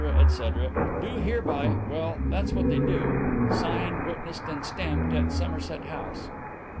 etc., do hereby' well, that's what they do. Signed, witnessed and stamped at Somerset House."